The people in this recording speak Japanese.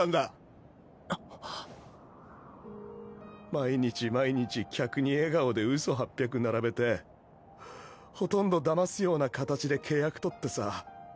毎日毎日客に笑顔でうそ八百並べてほとんどだますような形で契約取ってさ